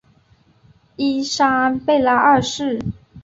伊莎贝拉二世。